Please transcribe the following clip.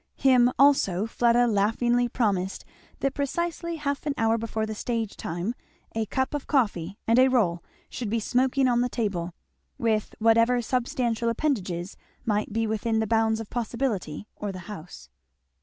Him also Fleda laughingly promised that precisely half an hour before the stage time a cup of coffee and a roll should be smoking on the table, with whatever substantial appendages might be within the bounds of possibility, or the house.